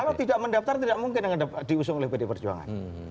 kalau tidak mendaftar tidak mungkin diusung oleh pd perjuangan